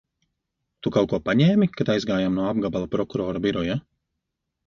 Tu kaut ko paņēmi, kad aizgājām no apgabala prokurora biroja?